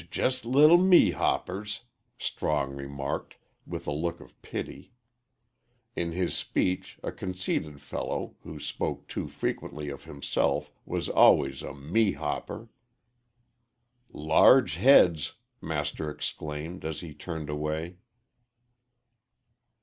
"J jus' little mehoppers," Strong remarked, with a look of pity. In his speech a conceited fellow, who spoke too frequently of himself, was always a "mehopper." "Large heads!" Master exclaimed, as he turned away.